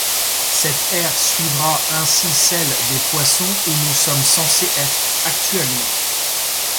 Cette ère suivra ainsi celle des Poissons où nous sommes censés être actuellement.